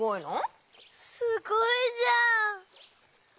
すごいじゃん。